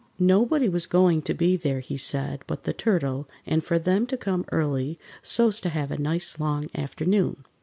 Nobody was going to be there, he said, but the Turtle, and for them to come early so's to have a nice long afternoon.